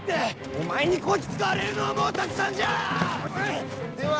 お前にこき使われるのはもうたくさんじゃ！